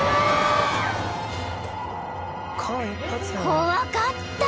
［怖かった！］